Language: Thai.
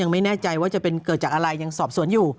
ไม่แน่ใจว่าจะเป็นเกิดจากอะไรยังสอบสวนอยู่